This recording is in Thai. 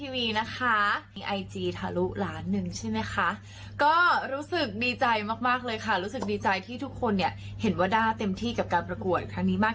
วันนี้เนี่ยเราทำเต็มที่แล้วเนาะ